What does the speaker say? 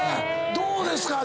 どうですか？